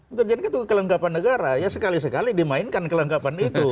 intelijen itu kelengkapan negara ya sekali sekali dimainkan kelengkapan itu